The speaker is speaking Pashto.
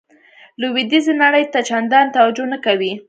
لویدیځې نړۍ ته چندانې توجه نه کوي.